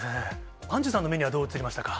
アンジュさんの目にはどう映りましたか。